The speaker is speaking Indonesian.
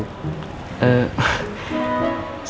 kamu masuk kenapa gak ketok pintu